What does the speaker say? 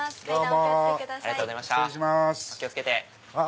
お気を付けて。